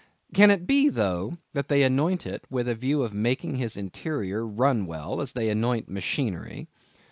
Can it be, though, that they anoint it with a view of making its interior run well, as they anoint machinery?